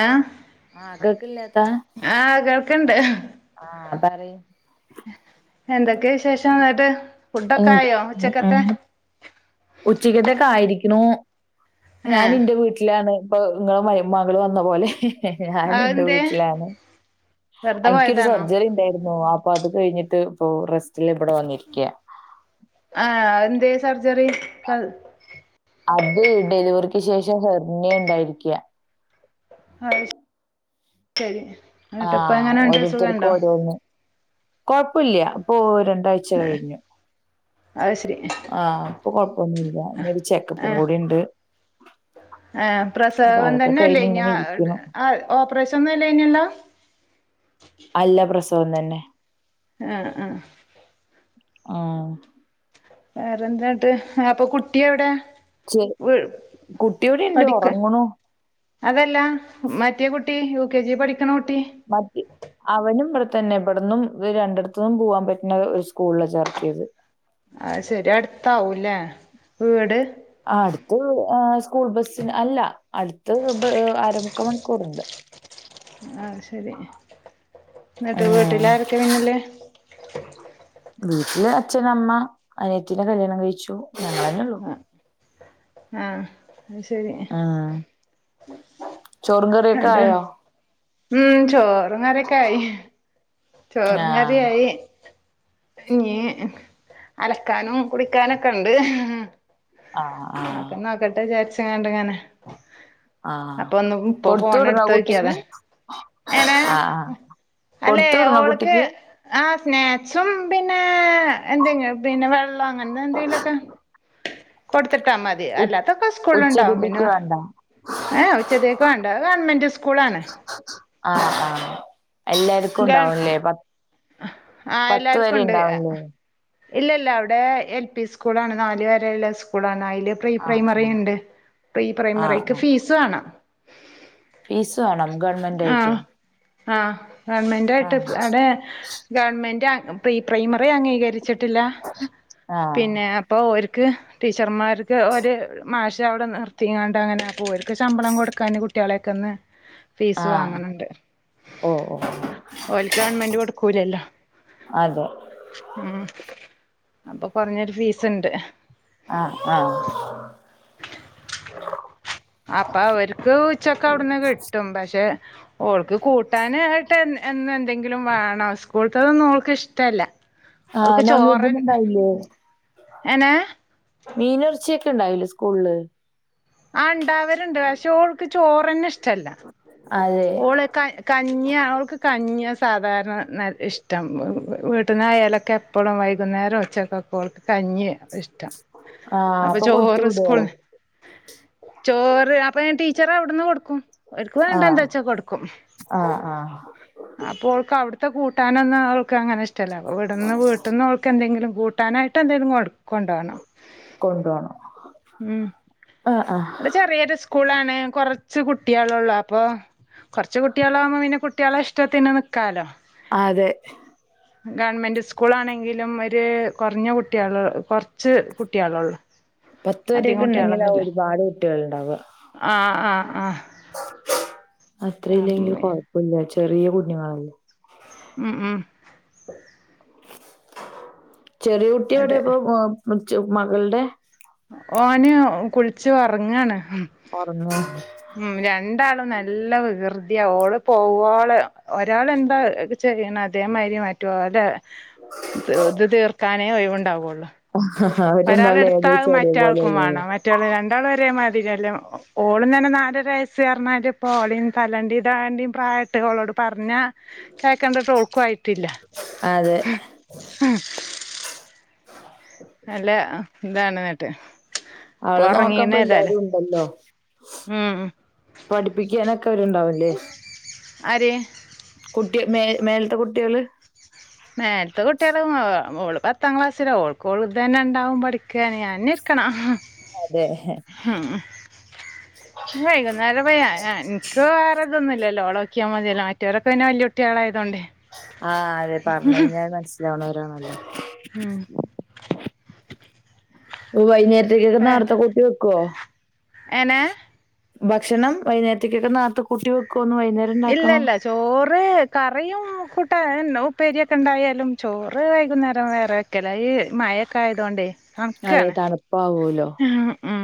ആഹ് അൻക്കില്ലേ ആ, കേൾക്കണ്ട് പറയ് എന്തൊക്കെയ വിശേഷം വന്നിട്ട് ഉം, ഉം, ഉച്ചക്കത്തൊക്കെ ആയിരിക്കിണു ഞാൻ ഏഹ് എന്റെ വീട്ടിലാണ് ഇപ്പൊ ഇങ്ങളും മയ്‌മകൾ വന്ന പോലെ. ഞാനെന്റെ അതെന്തേ വീട്ടിലാണ് വെറുതെ അനിക്കൊരു പോയതാണോ സർജറി ഉണ്ടായിരുന്നു. അപ്പൊ അത് കഴിഞ്ഞിട്ട് ഇപ്പോ റസ്റ്റില് ഇവിടെ വന്നിരിക്ക. ആ അന്തെ സർജ അത് ഡെലിവറി ക്ക് ശേഷം ഹെർണിയ ഉണ്ടായിരിക്കയ അ ശരി ആ ന്നട്ട് ഇപ്പ എങ്ങനെണ്ട് ഓരോരുത്തർക്കും സുഖണ്ടോ ഓരോന്ന് കൊഴപ്പില്ല അപ്പൊ ഓര ഒരാഴ്ച കഴിഞ്ഞു. അത് ശരി ആ, ഇപ്പൊ കൊഴപ്പൊന്നുമില്ല ഇനി ഒരുരുചെക്കപ്പും കൂടി ഉണ്ട്. ആ ആ പ്രസവം തന്നെല്ലേ, ഇനി ഇരിക്കുന്നു ഓപ്പറേഷൻ ഒന്നും ഇനി ഇല്ലല്ലോ അല്ല പ്രസവം തന്നെ ആ ആ ആ വേറെന്തട്ട് അപ്പൊ കുട്ടിയ എവിടെ കുട്ടി ഇവിടുണ്ട് പഠിക്ക ഉറങ്ങണു അതല്ല മറ്റേ കുട്ടി യു കെ ജി പഠിക്ക മറ്റ അവനും തന്നെ ഇവിടന്നും രണ്ടിടത്തു നിന്നും പോവാൻ പറ്റുന്ന ഒരു സ്കൂളിലാ ചേർത്തിയത്. അ ശരി അടുത്താവൂല്ലേ വീട് ആ അടുത്ത് സ്കൂൾ ബസിന് അല്ല അടുത്ത് അരമുക്ക മണിക്കൂറണ്ട്. ആ ശരി എന്നിട്ട് ഉം വീട്ടില് ആരൊക്കെ പിന്നല്ലേ ഉം വീട്ടില് അച്ഛൻ അമ്മ അനിയത്തി ടെ കല്യാണം കഴിച്ചു ഞങ്ങളെ ഉള്ളു ആ, അത് ശരി ഉം ചോറും കറിയൊക്കെ അവിടെ ആയോ ഉം ചോറും കറിക്കെ ആയി ചോറും ആഹ് കറിയയി അലക്കാനും കുടിക്കാനൊക്കെണ്ട് ആഹ് ആഹ് ആക്ക ന നോക്കട്ടെ വിചാരിച്ചങ്ങണ്ടങ്ങനെ ആഹ് അപ്പൊ ഒന്നും ഇപ്പൊ കൊടുത്തു ഫോണ വിടണോ എടുത്ത കുട്ടിക്ക്? വോക്കതാ ഏനെ ആഹ് ആഹ് അല്ലെ കൊടുത്തു വിടണോ ഓൾക്ക് കുട്ടിക്ക്? ആ സ്നാക്സും പിന്നെ എ പിന്നെ വെങ്ങ എന്തക്കെ പത്തിട്ടാ മതി ഉ അല്ലാത്തൊക്കെ സ്കൂള ഉണ്ടാവും മിനു ഉച്ചക്കത്തേക്ക് വേണ്ട ഏ ഉച്ച വേണ്ട ഗവൺമെന്റ് സ്കൂള ആണ് ആ ആ എല്ലാർക്കും ഗവ ഉണ്ടാവുംല്ലേ പ ആഹ് പത്ത് എല്ലാർക്കും വരെ ഉണ്ട് ഇണ്ടാവല്ലേ ഇല്ല ഇല്ല അവിടെ എൽ പി സ്കൂൾ ആണ് നാലു വരെയുള്ള സ്കൂളാണ് പ്രീ ആഹ് പ്രൈമറി ആഹ് ഉണ്ട് പ്രീ ആഹ് പ്രൈമറിക്ക് ആഹ് ഫീസ് വേണം ഫീസ് വേണം ഗവണ്മെന്റ് ആയിട്ടും ആ ഗവൺമെന്റയിട്ട് ആഹ് അവിടെ ഗവൺമെന്റ് പ്രീ പ്രൈമറി അംഗീകരിച്ച ചിട്ടില്ല ആഹ് പിന്നെ അപ്പൊ ഓർക്ക് ടീച്ചർ മാർക്ക് ഒരു മാസ് പ അവിടെ നിർത്തിങ്ങാണ്ട് അങ്ങനെ പോർക്ക് ശമ്പളം കൊടുക്കാൻ കുട്ടികളെൊക്ക ഒന്ന് ഫീസ് ആഹ് വാങ്ങണണ്ട് ഓ ഓ ഓൽക്കവൺമെന്റ് കൊടുക്കൂലല്ലോ അതെ ഉ അപ്പൊ കുറഞ്ഞൊരു ഫീസ്ണ്ട് ആ ആ അപ്പൊ അവർക്ക് ഉച്ചക്കെ അവിടുന്ന് കിട്ടും പക്ഷെ ഓൾക്ക് കൂട്ട കിട്ടാനായിട്ട് എന്നും എന്തെങ്കിലും വേണം സ്കൂളത്തതൊന്നും ഓൾക്ക് ഇഷ്ടമല്ല ആഹ് നോൺവെജന്നും ഉണ്ടായില്ലേ എനെ മീനും ഇറച്ചി ഒക്കെ ട്ട് ഉണ്ടാവില്ലെ സ്കൂള് ആ ഉണ്ടാവലണ്ട് പക്ഷേ ഓൾക്ക് ചോറ്ന്നെ ഇഷ്ട്ടമല്ല അതെ ഓള് കഞ്ഞി ഒൾക്ക് കത്തി സാധാരണ ഇഷ്ടം വീട്ടന്നായാലൊക്കെ എപ്പോഴും വൈകുന്നേരം ഉച്ചക്കെക്കെ കഞ്ഞി ഇഷ്ടം ആഹ് അപ്പൊ കൊടുത്തു ചോറ് വിടോ സ്കൂൾന്ന് ചോറ് അപ്പൊ ഞൻ ടീച്ചർ അവിടുന്ന് കൊടുക്കും ഒൽക്ക് വേണ്ട ആഹ് എന്താ ച്ച കെടുക്കും. ആഹ് ആഹ് അപ്പോ ഓള്ക്ക് അവിടുത്തെ കൂട്ടാനെന്നും ഒള് ക്ക് അങ്ങനെ ഇഷ്ട്ട ഇല്ല അപ്പെ ഇവിടുന്ന് വീട്ടുന്നവൾക്ക് എന്തെങ്കിലും കൂട്ടാനായിട്ട് എന്തെങ്കിലും കൊടുക്കും കൊണ്ടൊവണം കൊണ്ടുപോണം ഉം ആഹ് ആഹ് ഇവിടെ ചെറിയരു സ് സ്കൂളാണ് കുറച്ച് കുട്ടി ആള് ഒള്ളൂ അപ്പോൾ കുറച്ച് കുട്ടിആള് ആകുമ്പോൾ പിന്നെ കുട്ടി ആളെ ഇഷ്ടത്തിന് നിൽക്കാലോ അതെ ഗവൺമെന്റ് സ്കൂൾ ആണെങ്കിലും ഒരു കുറഞ്ഞ കുട്ടിആള് കു ച്ച് കുട്ടിയാള് ഒള്ളൂ പത്ത് അധികം വരെയൊക്കെ കുട്ടിആള് ഉണ്ടെങ്കിലാ ഒന്നില്ലേ ഒരുപാട് കുട്ടികളുണ്ടാവുക ആഹ് ആഹ് ആഹ് അത്ര ഇല്ലെങ്കില് ആഹ് കൊഴപ്പില്ല ചെറിയ കുഞ്ഞുങ്ങളല്ലേ ഉം ഉം ചെറിയ കുട്ടി എവിടെ അതെ ഇപ്പൊ മകളുടെ ഓന് കുളിച്ച് ഒറങ്ങാണ് ഒറങ്ങാ ഉം രണ്ടാളും നല്ല വികൃതിയാ ഓള് പോവോളം ഒരാള് എന്താ ചെയ്യ്ണ് അതേമാതിരി മാറ്റ അല്ല ഇത് തീർക്കാനേ ഒഴിവുണ്ടാവുള്ളൂ അവര് ഒരാള് രണ്ടാളും എടുത്താൽ അത് ഏകദേശം ഒരേപോലെ മറ്റേയാൾക്കും വേണം മറ്റേ ആള് രണ്ടാള് ഇതേ മാതിരിയല്ലോ [unintelligible] വയസ് പറഞ്ഞാൽ ഇപ്പോ ഓളെ ഇനി തല്ലണ്ടിയും [unintelligible] പ്രായമായിട്ട് ഓളോട് പറഞ്ഞാ കേക്കണ്ടത് ഓൾക്കും ആയിട്ടില്ല അല്ലേന്ന് അല്ല ഇതാണ് നട്ട് അവളെ നോക്കാൻ്പ എല്ലാരും ഉണ്ടല്ലോ ഉം പഠിപ്പിക്കാന് ഒക്കെരു ഉണ്ടാവുലെ ആര് മേ മേലത്തെ കുട്ടികള് മേലത്തെ കുട്ടികളും പത്താം ക്ലാസ്സില ഓൾക്ക് ഞാളതന്നെ ഉണ്ടാവും പഠിക്കാന് ഞ കണ അതെ വൈകുന്നേരംഇൻക് വേറെ ഇതൊന്നും ഇല്ലല്ലോ ഒളെ നോക്കിയാൽ മതിയല്ലോ മതൊരൊക്കെ വല്യ കുട്ടികൾ കേളായതൊണ്ടേ ആഹ് അതെ പറഞ്ഞു കഴിഞ്ഞാൽ മനസ്സിലാവണവരാണല്ലോ ഉം ഓ വൈകുന്നേരത്തേക്കൊക്കെ നോരത്തെ കൂട്ടി വെക്കുവോ എനെ ഭക്ഷണം വൈകുന്നേരത്തേക്കൊക്കെ നോർത്ത കുട്ടി വെക്കും ഇല്ല ഇല്ല ചോറ് കറിയും [unintelligible] ഉപ്പേരിയൊക്കെ ഉണ്ടായാലും ചോറ് വൈകുന്നേരം വേറെൊക്കെല്ല ഈ മഴൊക്കെ ആയതോണ്ട് അതെ നക്കാണ് തണുപ്പാവൂലോ ഉം ഉ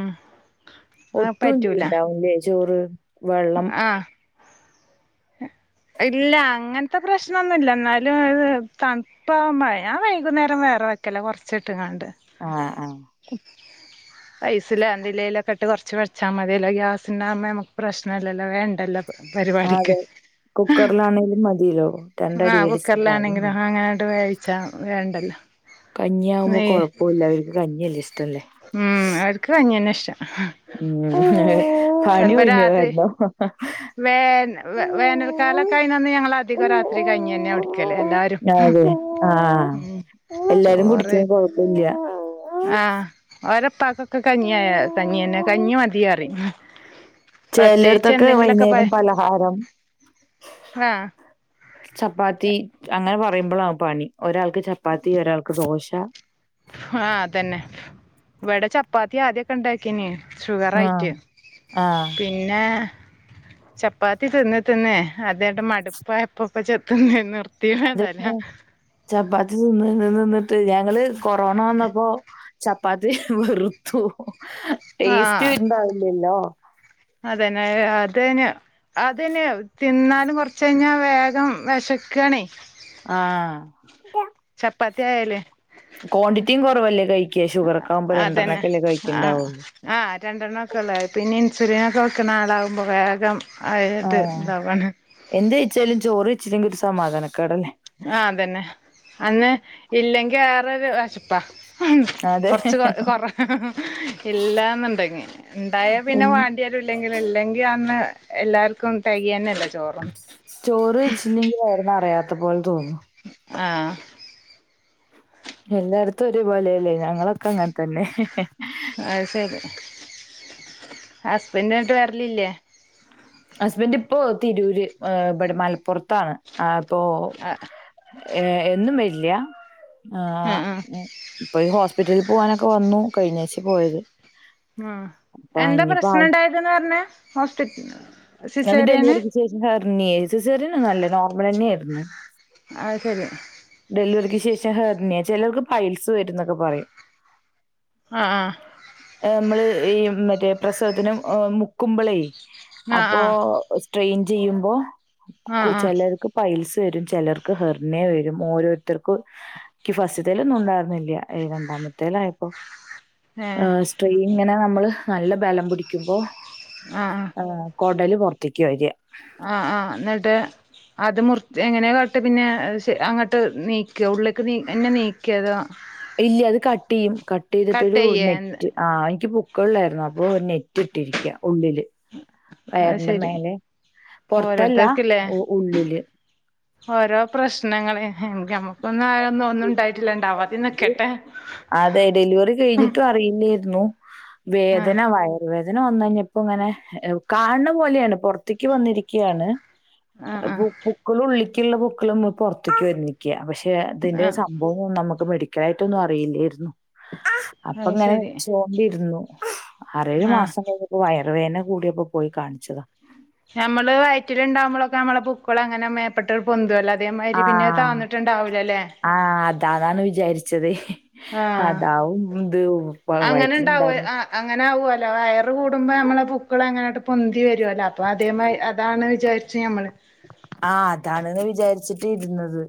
ഒട്ടും ഉണ്ടാവൂല്ലേ ചോറ് വെള്ളം ആഹ് [unintelligible] ഇല്ല അങ്ങനത്തെ പ്രശ്ണം ഒന്നുല്ല എന്നാലും തണുപ്പാവുമ്പ ഞാൻ വൈകുന്നേരം വേറെ വയ്ക്കല കുറച്ചിട്ട് കണ്ട് ആഹ് ആഹ് റൈസിലോ എന്തതിലേലൊക്കെ ഇട്ട് കുറച്ച് വെച്ചാൽ മതിയല്ലോ ഗ്യാസുണ്ടാകുമ്പോ നമുക്ക് പ്രശ്ന ല്ലല്ലോ വേണ്ടല്ലോ പരിപാടിക്ക് കുക്കറിലാണെങ്കിലും മതില്ലോ രണ്ടടി [unintelligible] വഴിച്ച വേണ്ടല്ലോ കഞ്ഞി ആകുമ്പോ നെയ്യ് കൊഴപ്പല്ല അവർക്ക് കഞ്ഞിയല്ലേ ഇഷ്ടല്ലേ ഉം അവർക്ക് കഞ്ഞേന്ന ഇഷ്ട്ടം ഉ പണി ഒഴിഞ്ഞോയല്ലോ വേ വേനൽക്കാലൊക്കെ അയിന്ന് ഞങ്ങള അധികം രാത്രി കഞ്ഞി തന്നെ കുടിക്കലേ എല്ലാരും അതെ ആഹ് ഉം എല്ലാരും ചോറ് കുടിക്കും കൊഴപ്പില്ല ആഹ് ഓരപ്പാക്കൊക്കെ കഞ്ഞിയ കഞ്ഞിന്നെ കഞ്ഞി മതിയറി ചേലെട്ത്തൊക്കെ വൈകുന്നേരം പലഹാരം ആഹ് ചപ്പാത്തി അങ്ങനെ പറയുമ്പോളാ പണി ഒരാൾക്ക് ചപ്പാത്തി ഒരാൾക്ക് ദോശ കത്തിയ ആദ്യൊക്കെ ഉണ്ടാക്കിന് ആഹ് ഷുഗറായിട്ട് ആഹ് പിന്നെ ചപ്പാത്തി തിന്ന് തിന്ന് അതന്റെ മടുപ്പ് ആയപ്പൊ പ്പചെത്തുന്ന് അതന്നെ ചപ്പാത്തി തിന്ന് തിന്നിട്ട് ഞങ്ങള് കൊറോണ വന്നപ്പോ ചപ്പാത്തി വെറുത്തു ടേസ്റ്റ് ഉണ്ടാ വില്ലല്ലോ അതെന്നെ അതന്നാ അതന്നെയ തിന്നാലും കൊറച്ച് കഴിഞ്ഞാ വേഗം വിശക്കണേ ആഹ് ചപ്പാത്തിയായല്ലേ ക്വാണ്ടിറ്റിയും കുറവല്ലേ കൈ അതന്നെ ആ ആഹ് രണ്ടെണ്ണം ഒക്കെ ഉള്ള പിന്നെ സിര്യാണ്യാക്കെ വക്കുന്ന ആളാകുമ്പോൾ വേഗം ആയിട്ട് ആഹ് ഇതാവാണ് എന്ത് ഇച്ചാലും ചോറച്ചിലെങ്കി ഒരു സമാധാനം ആ അതന്നെ അന്ന് ഇല്ലെങ്കിൽ വേറൊരു വിശ്പ്പാ അതെ കൊറച്ച് കൊറ ഇല്ലാന്ന് ഉണ്ടകിൽ ഉണ്ടായ പിന്നെ ഉം. വാണ്ടി ല്ലെങ്കിൽ അന്ന് എല്ലാവർക്കും തെകന്നല്ല ചോറ് വച്ചില്ലെങ്കില് വയർ നിറയാത്ത പോലെ തോന്നും ആഹ് എല്ലായിടത്തും ഒരേപോലെയല്ലേ ഞങ്ങളൊക്കെ അങ്ങനെ തന്നെ അത് ശരി ഹസ്ബൻഡായിട്ട് വരലില്ലേ ഹസ്ബൻഡ്‌ ഇപ്പോ തിരൂര് ഇവിടെ മലപ്പുറത്താണ് അപ്പൊ ആഹ് ഏ എന്നും വരില്ല്യ ആഹ് ആഹ് ഇപ്പൊ ഈ ഹോസ് പിറ്റലിൽ പോകാനൊക്കെ വന്നു കഴിഞ്ഞാഴ്ചയാ പോയത് ആ അപ്പൊ എന്താ ഇനിയിപ്പോ ആ പ്രശ്നമുണ്ടായതെന്ന് പറഞ്ഞേ ഹോസ്പിറ്റ അത് ഡെലിവറിക്ക് ശേഷം ഹെർണിയെ സിസേറിയൻ ഒന്നുമല്ല നോർമൽ തന്നെയായിരുന്നു അത് ശരി ഡെലിവറിക്ക് ശേഷം ഹെർണിയാ ചെലർക്ക് പൈൽസ് വരുന്നെന്നൊക്കെ പറയും ആഹ് ആഹ് നമ്മള് ഈ മറ്റേ പ്രസവത്തിന് മുക്കുമ്പളെ ആഹ് അപ്പോ ആഹ് സ്‌ട്രെയിൻ ചെയ്യുമ്പോ ആഹ് ആഹ് ചെലർക്ക് പൈൽസ് വരും ചിലർക്ക് ഹെറിണിയാ വരും ഓരോരുത്തർക്കും എനിക്ക് ഫസ്റ്റിത്തേലൊന്നും ഉണ്ടായിരുന്നില്ല രണ്ടാമത്തേല് ആയപ്പോ ഏഹ് സ്ട്രൈയിൻ ഇങ്ങനെ നമ്മള് നല്ല ബലം പിടിക്കുമ്പോ ആഹ് ആഹ് കുടല് പുറത്തേക്ക് വരിക ആഹ് ആഹ് എന്നിട്ട് അത് മുറി എങ്ങനെയ കാട്ട് പിന്നെ അങ്ങോട്ട് നീക്കിയൊ ഉള്ളിലേക്ക് തന്നെ നീക്കിയോ അത് ഇല്ല അത് കട്ടെയ്യും കട്ട് കട്ടെയ്തിട്ടൊരു ചെയ്യേ നെറ്റ് ആ ഇൻക്ക് പൊക്കിൾലായിരുന്നു അപ്പൊ നെറ്റ് ഇട്ടിരി ഉള്ളില് അത് വയറിന്റെ ശരി മേലെ പൊറത്തല്ല ഓരോരുത്തർക്കില്ലേ ഉള്ളില് ഓരോ പ്രശ്നങ്ങളെ എ നമ്മ്ക്കൊന്നും ആ ഒന്നും ഒന്നും ഇണ്ടായിട്ടില്ല ണ്ടവതെ നിക്കട്ടെ അതെ ഡെലിവറി കഴിഞ്ഞിട്ടും അറിയില്ലായിരുന്നു ആഹ് വേദന വയറ് വേ വേദന വന്ന് കഴിഞ്ഞപ്പോ ഇങ്ങനെ കാണണ പോലെയാണ് പുറത്തേക്ക് വന്നിരിക്കുകയാണ്. ആഹ് ആഹ് പുക്കിൾ ഉള്ളിക്കുള്ള പുക്കിൾ നമ്മക്ക് പുറത്തേക്ക് വന്നിരിക്കയാ പക്ഷെ പക്ഷെ അതിന്റെ ആഹ് സംഭവം ഒന്നും നമുക്ക് മെഡിക്കലായിട്ടൊന്നും അറിയില്ലായിരുന്നു. അപ്പൊ അത് ഇങ്ങനെ ശരി വെച്ചോണ്ടിരുന്നു ആറേഴു ആഹ് മാസം കഴിഞ്ഞപ്പൊ വയര് റുവേദന കൂടിയപ്പോ പോയി കാണിച്ചതാ നമ്മള് വയറ്റില് ഉണ്ടാവുമ്പോഴൊക്കെ നമ്മളെ പൊക്കിൾ അങ്ങനെ മേപ്പെട്ട് പൊന്തുല്ലോ ആഹ് ആഹ് അതാന്നാണ് വിചാരിച്ചത് ആഹ് അതാവും ഇത് വയറ്റില്‌ ഇണ്ടയിരുന്നു ങ്ങല്ലോ വയർ കൂടുമ്പോ നമ്മളെ പൊക്കിൾ അങ്ങനെട്ട് പൊന്തി വരുമല്ലോ അപ്പൊ അതേ അതാണ് വിചാരി ച്ച് നമ്മള് ആഹ് അതാണ് വിചാരിച്ചിട്ട് ഇരുന്നത്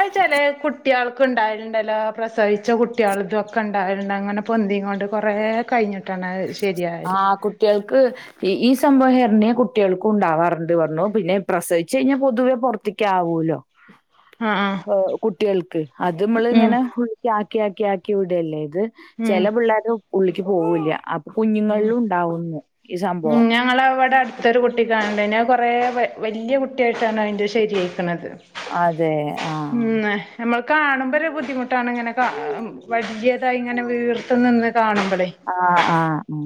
അഹ്ച്ചലേ കു കുട്ടികൾക്ക് ഉണ്ടായിലുണ്ടല്ലോ പ്രസവിച്ച കുട്ടികൾ ഇതൊക്കെ ഉണ്ടായിരുന്നകോണ്ട് അങ്ങനെ പൊന്തിയും കൊണ്ട് കുറേ കഴിഞ്ഞിട്ട് ആഹ് കുട്ടികൾക്ക് ഈ സംഭവം ഹെർണി കുട്ടികൾക്കും ഉണ്ടാവാറണ്ട് പറഞ്ഞു പിന്നെ പ്രസിച്ച് കഴിഞ്ഞാൽ പൊതുവേ പുറത്തേക്ക്‌ ആവൂല്ലോ ആഹ് ആഹ് കുട്ടികൾക്ക് അത് നമ്മള് ഉം ഇങ്ങനെ ആക്കി ആക്കി ഇവിടെ അല്ലേത് ഉം ചെല പിള്ളോരും ഉള്ളിലക്ക് പോകൂല്ല ഉം കുഞ്ഞുങ്ങളിലും ഉണ്ടാവുന്നു ഈ സംഭവം അത്തൊരു കുട്ടി കാണണ്ട പിന്നെ കുറെ വലിയ കുട്ടിയായിട്ടാണോ അതിൻ്റെ ശരിയ അതെ ഉം ആഹ് നമ്മക്ക് കാണുമ്പോ ഒരു ബുദ്ധിമുട്ടാണ് ഇങ്ങനെ വലിയതായി ഇങ്ങനെ വീർത്ത് നിന്ന് കാണുമ്പോളെ ആഹ് ആഹ് ഉം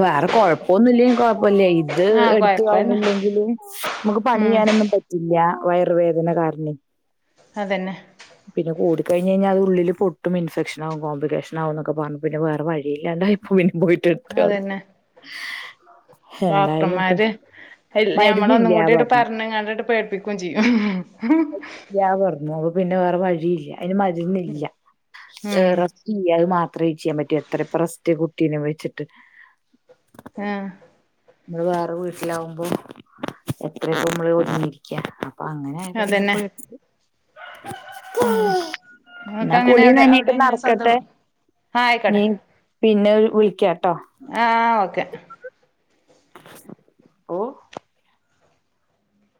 വേറെ കൊഴപ്പൊന്നുലെ കൊഴാ പ്പല്ലെ ഇത് ആഹ് എടുത്തു കൊഴപ്പന്നെ കളഞ്ഞില്ലെങ്കിലു നമുക്ക് പണി ഉം ചെയ്യാനൊന്നും പറ്റില്ല വയറു വേദന കാരണം അതന്നെ പിന്നെ കൂടി കഴിഞ്ഞഞ് കഴിഞ്ഞാ അത് ഉള്ളില് പൊട്ടും ഇൻഫെക്ഷനാവും കോംപ്ലിക്കേഷനാവുംന്നൊെഞ്ഞു പിന്നെ വേറെ വഴിയില്ല ഭന് ബയിട്ടൊത്തൽ അതന്നെ ഡോക്ടർമാര് ഞമ്മള ഒന്നും മരുന്നില്ലാ കൂടിങ്ങട്ട് പറഞ്ഞു പറഞ്ഞങ്ങാണ്ട് പേടി പിക്ക ചെയ്യും യ്യ പറഞ്ഞു അപ്പൊ പിന്നെ വേറെ വഴിയില്ല അതിന് മരുന്നില്ലഏഹ് ഉം റെസ്റ്റ് ചെയ്യ അത് മാത്ര അത്രയും ചെയ്യാൻ പറ്റും എത്ര റസ്റ്റ് കുട്ടീനെ വെച്ചിട്ട് ആഹ നമ്മള് വേറെ വീട്ടിലാവുമ്പോ എത്രയപ്പോ നമ്മള് ഒങ്ങിരിക്ക അപ്പൊ അങ്ങനെ ആയിപ്പോ പിന്നെ അതന്നെ പോട്ട് ഉം എന്നാ ഇങ്ങക്കങ്ങനെ കുളി അവിടെ നനെയക്ക അവിടെ എങ്ങനെ നടക്കട്ടെ സദവ് ആഹ് നീ ആയിക്കോട്ടെ പിന്നെ വിളിക്കാട്ടോ ആഹ് ഓക്കെ ഓഹ്